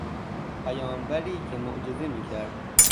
پیامبری که معجزه میکرد